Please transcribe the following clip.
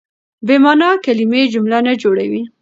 بې مانا کیلمې جمله نه جوړوي.